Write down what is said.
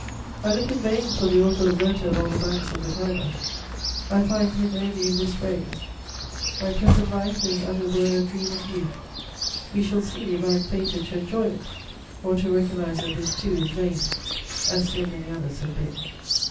I look in vain for the author of Werther along the banks of the Tiber; I find him only in this phrase: "My present life is as it were a dream of youth; we shall see if I am fated to enjoy it, or to recognise that this too is vain, as so many others have been."